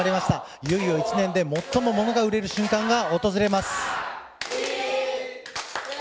いよいよ、一年で最も物が売れる瞬間が訪れます。